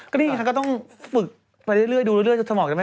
ก็นี่เราก็ต้องฝึกไปเรื่อยดูเรื่อยสมองก็ไม่ได้ฝ่า